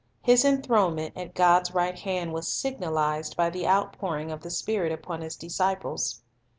His enthronement at God's right hand was signalized by the outpouring of the Spirit upon His disciples.